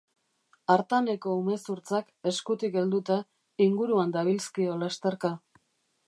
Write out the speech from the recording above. Artaneko umezurtzak, eskutik helduta, inguruan dabilzkio lasterka.